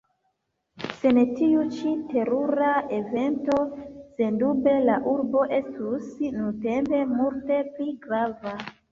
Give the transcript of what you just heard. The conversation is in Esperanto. Sen tiu ĉi terura evento, sendube la urbo estus nuntempe multe pli grava.